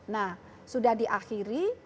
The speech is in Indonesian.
nah sudah diakhiri